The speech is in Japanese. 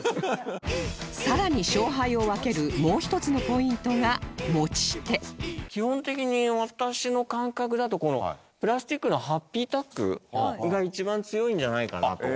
さらに勝敗を分けるもう一つのポイントが基本的に私の感覚だとこのプラスチックのハッピータックが一番強いんじゃないかなと。